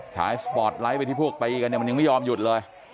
ฉายสปอร์ตไลท์ไปที่พวกตีกันเนี่ยมันยังไม่ยอมหยุดเลย